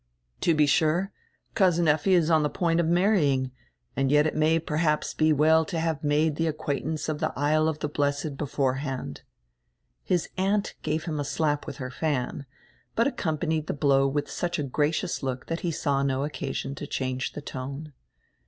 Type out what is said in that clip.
"To be sure, Cousin Effi is on die point of marrying, and yet it may perhaps be well to have made die acquaintance of the 'Isle of die Blessed' before hand." His aunt gave him a slap widi her fan, but accom panied the blow with such a gracious look that he saw no occasion to change the tone.